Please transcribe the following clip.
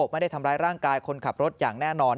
ไม่ได้ทำร้ายร่างกายคนขับรถอย่างแน่นอน